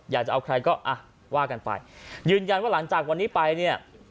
อยากจะเอาใครก็อ่ะว่ากันไปยืนยันว่าหลังจากวันนี้ไปเนี่ย